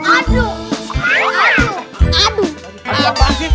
aduh apaan sih